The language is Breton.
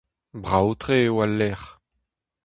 Brav-tre eo al lec'h !